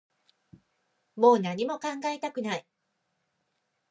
もう何も考えたくない